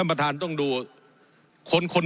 มีล้ำตีตั้นเนี่ยมีล้ำตีตั้นเนี่ย